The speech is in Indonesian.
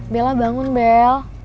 bella bangun bel